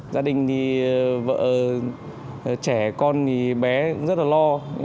gia đình thì vợ trẻ con thì bé cũng rất là lo